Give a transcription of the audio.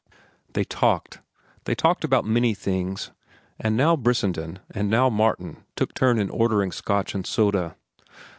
They talked. They talked about many things, and now Brissenden and now Martin took turn in ordering Scotch and soda.